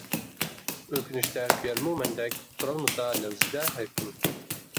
ئۆكۈنۈشتە كۆيەرمۇ مەندەك، تۇرالمىسا لەۋزىدە ھەركىم.